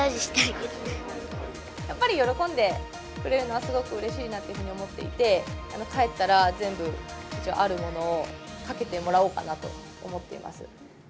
やっぱり喜んでくれるのは、すごくうれしいなっていうふうに思っていて、帰ったら、全部あるものをかけてもらおうかなと思っています。